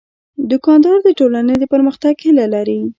دوکاندار د ټولنې د پرمختګ هیله لري.